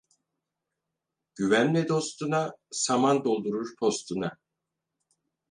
Güvenme dostuna, saman doldurur postuna.